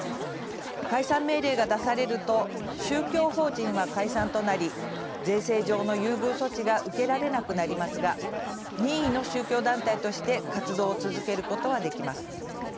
解散命令が出されると宗教法人は解散となり税制上の優遇措置が受けられなくなりますが任意の宗教団体として活動を続けることはできます。